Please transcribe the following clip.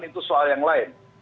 itu soal yang lain